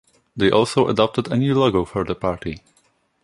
They also adopted a new logo for the party.